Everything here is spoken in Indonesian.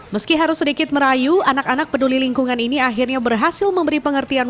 meski harus sedikit merayu anak anak peduli lingkungan ini akhirnya berhasil memberi pengertian